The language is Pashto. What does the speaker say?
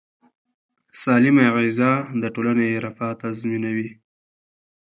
سالمه غذا د ټولنې رفاه تضمینوي.